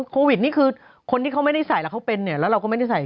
โควิดนี่คือคนที่เขาไม่ได้ใส่แล้วเขาเป็นเนี่ยแล้วเราก็ไม่ได้ใส่